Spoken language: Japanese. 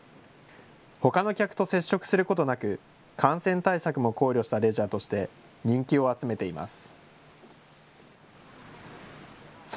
ほかの客と接触することなく、感染対策も考慮したレジャーとして人気を集めています。